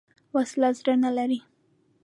وسله زړه نه لري